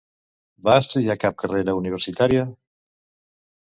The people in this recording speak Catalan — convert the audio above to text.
Va estudiar cap carrera universitària?